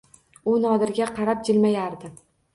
U Nodirga qarab jilmayardi.